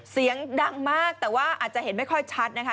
เสียงดังมากแต่ว่าอาจจะเห็นไม่ค่อยชัดนะคะ